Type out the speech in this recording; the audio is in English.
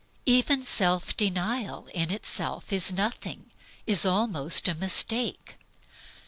Even self denial in itself is nothing, is almost a mistake.